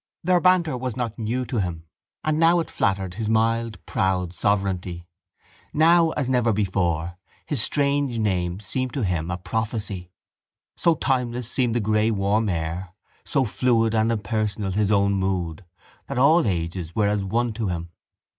Their banter was not new to him and now it flattered his mild proud sovereignty. Now, as never before, his strange name seemed to him a prophecy. So timeless seemed the grey warm air, so fluid and impersonal his own mood, that all ages were as one to him.